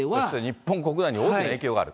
日本国内に大きな影響がある。